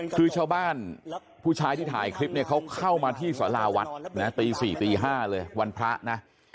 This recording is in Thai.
คือชาวบ้านผู้ชายที่ถ่ายคลิปเนี่ยเขาเข้ามาที่สาราวัดนะตี๔ตี๕เลยวันพระนะ